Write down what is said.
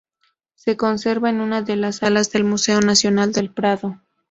Se conserva en una de las salas del Museo Nacional del Prado.